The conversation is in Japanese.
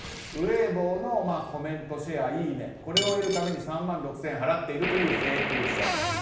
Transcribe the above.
ウェイボーのコメントシェアいいね！などこれを得るために３万６０００円払っているという請求書。